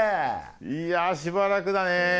いやしばらくだね。